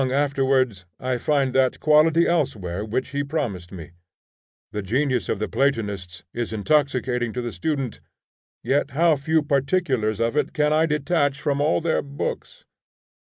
Long afterwards I find that quality elsewhere which he promised me. The genius of the Platonists is intoxicating to the student, yet how few particulars of it can I detach from all their books.